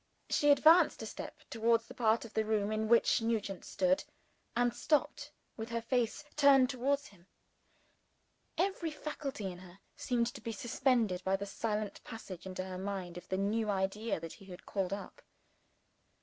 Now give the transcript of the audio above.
She advanced a step, towards the part of the room in which Nugent stood and stopped, with her face turned towards him. Every faculty in her seemed to be suspended by the silent passage into her mind of the new idea that he had called up.